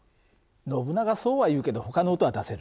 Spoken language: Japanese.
ノブナガそうは言うけどほかの音は出せるの？